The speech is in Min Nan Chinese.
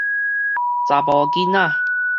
查埔囡仔